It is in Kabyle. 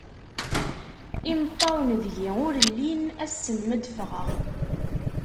Imeṭṭawen deg-i ur llin, ass-n mi ad d-ffɣeɣ